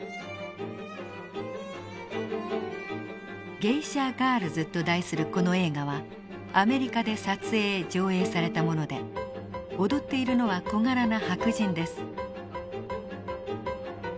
「ゲイシャ・ガールズ」と題するこの映画はアメリカで撮影上映されたもので踊っているのは小柄な白人です。